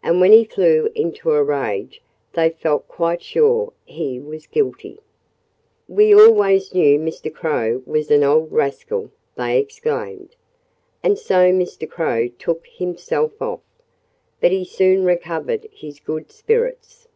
And when he flew into a rage they felt quite sure he was guilty. "We always knew Mr. Crow was an old rascal!" they exclaimed. And so Mr. Crow took himself off. But he soon recovered his good spirits.